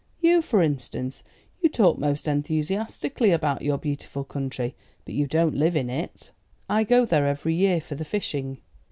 You, for instance, you talk most enthusiastically about your beautiful country, but you don't live in it." "I go there every year for the fishing."